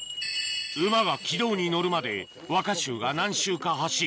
馬が軌道に乗るまで若衆が何周か走り